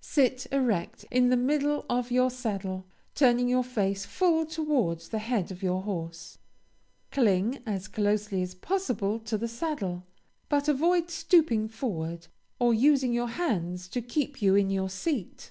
Sit erect in the middle of your saddle, turning your face full towards the head of your horse. Cling as closely as possible to the saddle, but avoid stooping forward, or using your hands to keep you in your seat.